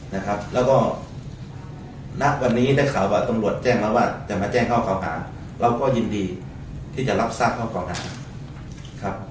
แล้วก็ณวันนี้ได้ข่าวว่าตำรวจแจ้งแล้วว่าจะมาแจ้งข้อเก่าหาเราก็ยินดีที่จะรับทราบข้อเก่าหาครับ